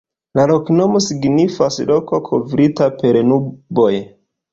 La loknomo signifas: "Loko kovrita per nuboj".